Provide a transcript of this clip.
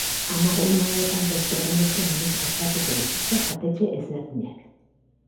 Hamar egun hauetan beste horrenbeste menu prestatuko dituzte jatetxe ezberdinek.